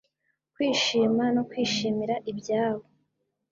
kwishima no kwishimira ibya bo